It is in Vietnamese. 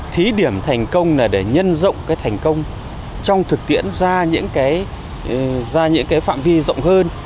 thí điểm thành công là để nhân rộng cái thành công trong thực tiễn ra những cái phạm vi rộng hơn